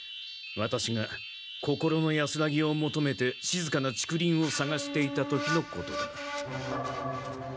ワタシが心の安らぎをもとめてしずかな竹林をさがしていた時のことだ。